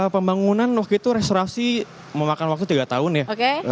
pembangunan waktu itu restorasi memakan waktu tiga tahun ya